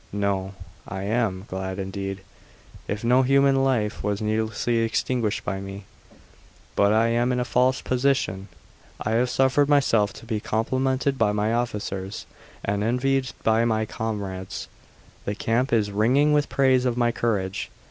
No, I am glad indeed if no human life was needlessly extinguished by me. But I am in a false position. I have suffered myself to be complimented by my officers and envied by my comrades. The camp is ringing with praise of my courage.